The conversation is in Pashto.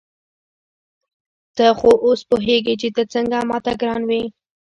ته خو اوس پوهېږې چې ته څنګه ما ته ګران وې.